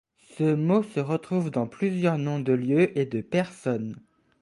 Ce mot se retrouve dans plusieurs noms de lieux et de personnes.